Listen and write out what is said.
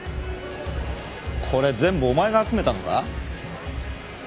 これ全部お前が集めたのか？